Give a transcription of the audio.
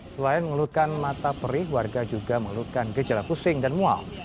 selain mengeluhkan mata perih warga juga mengeluhkan gejala pusing dan mual